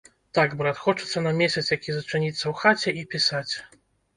Так, брат, хочацца на месяц які зачыніцца ў хаце і пісаць.